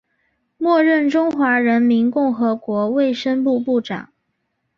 末任中华人民共和国卫生部部长。